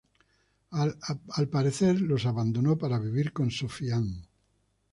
Al parecer los abandonó para vivir con Sophie-Anne.